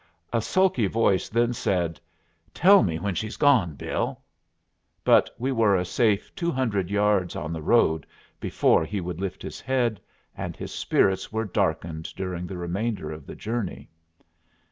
A sulky voice then said, "Tell me when she's gone, Bill." But we were a safe two hundred yards on the road before he would lift his head, and his spirits were darkened during the remainder of the journey.